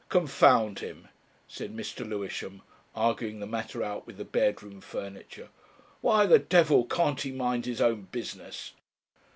"Confound him!" said Mr. Lewisham, arguing the matter out with the bedroom furniture. "Why the devil can't he mind his own business?"